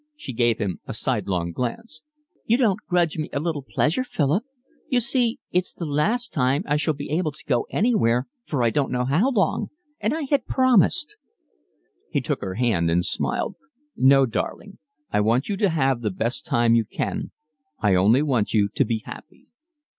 She gave him a sidelong glance. "You don't grudge me a little pleasure, Philip? You see, it's the last time I shall be able to go anywhere for I don't know how long, and I had promised." He took her hand and smiled. "No, darling, I want you to have the best time you can. I only want you to be happy."